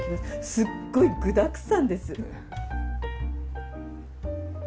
すっごい具だくさんです！